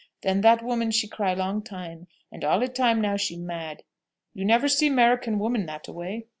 Then that woman she cry long time, and all e'time now she mad. You never seen 'Merican woman that a way?"